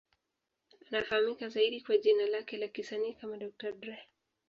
Anafahamika zaidi kwa jina lake la kisanii kama Dr. Dre.